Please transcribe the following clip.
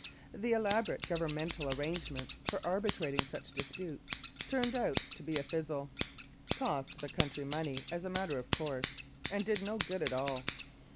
The elaborate Governmental arrange ments for arbitrating such disputes turned out to be a fizzle, cost the country money as a matter of course, and did no good at all.